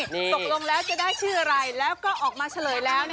ตกลงแล้วจะได้ชื่ออะไรแล้วก็ออกมาเฉลยแล้ว